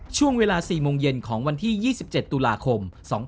ช่วงเวลา๔โมงเย็นของวันที่๒๗ตุลาคม๒๕๖๒